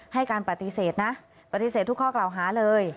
ให้การปฏิเสธนะปฏิเสธทุกข้อกล่าวหาเลย